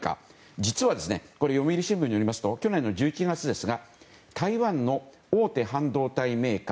実は、読売新聞によりますと去年１１月台湾の大手半導体メーカー